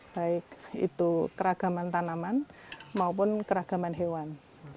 baik itu keragaman tanaman maupun keragaman hewan